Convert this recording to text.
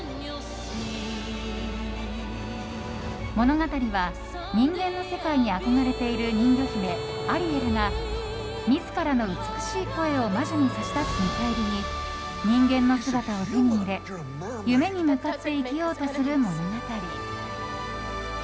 物語は人間の世界に憧れている、人魚姫アリエルが自らの美しい声を魔女に差し出す見返りに人間の姿を手に入れ夢に向かって生きようとする物語。